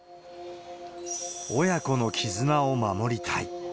親子の絆を守りたい。